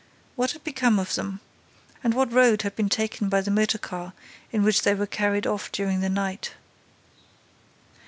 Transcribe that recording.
What had become of them? And what road had been taken by the motor car in which they were carried off during the night?